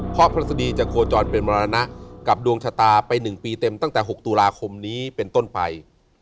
เพราะพฤษฎีจะโคจรเป็นมรณะกับดวงชะตาไป๑ปีเต็มตั้งแต่๖ตุลาคมนี้เป็นต้นไป